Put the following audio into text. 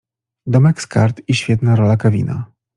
Domek z Kart i świetna rola Kevina.